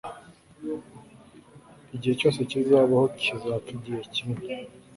Ikintu cyose kizabaho kizapfa igihe kimwe